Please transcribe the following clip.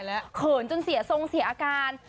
เขินจนเสียสงสีอาการ